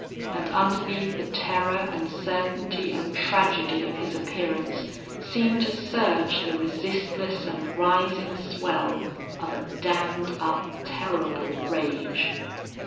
And underneath the terror and certainty and tragedy of his appearance seemed to surge the resistless and rising swell of a dammed up, terrible rage.